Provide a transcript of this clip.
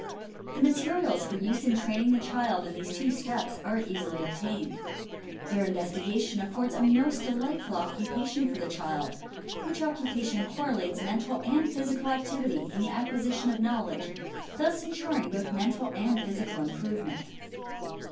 ■ The materials for use in training the child in these two steps are easily obtained. Their investigation affords a most delight ful occupation for the child, which occupation correlates mental and physical activity in the acquisition of knowledge, thus in suring both mental and physical improvement.